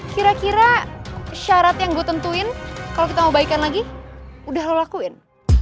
kira kira syarat yang gue tentuin kalau kita mau baikin lagi udah lo lakuin